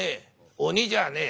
鬼じゃねえ。